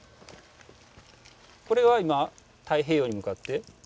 これは今太平洋に向かって。